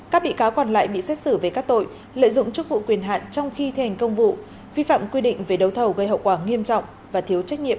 các bị cáo còn lại bị xét xử về các tội lợi dụng chức vụ quyền hạn trong khi thi hành công vụ vi phạm quy định về đấu thầu gây hậu quả nghiêm trọng và thiếu trách nhiệm gây hậu quả nghiêm trọng